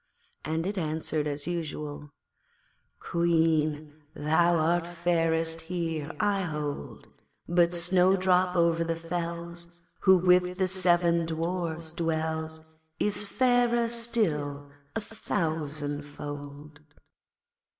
and it answered as usual 'Queen, thou art fairest here, I hold, But Snowdrop over the fells, Who with the seven Dwarfs dwells, Is fairer still a thousandfold.'